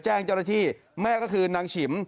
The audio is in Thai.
แจ้งเจ้าหน้าที่แม่ก็คือนางฉิม